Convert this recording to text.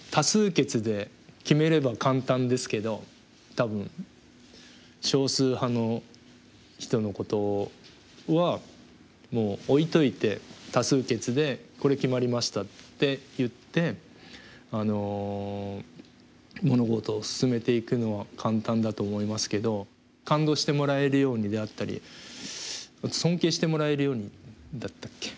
多分少数派の人のことはもう置いといて多数決で「これ決まりました」って言って物事を進めていくのは簡単だと思いますけど感動してもらえるようにであったり尊敬してもらえるようにだったっけ？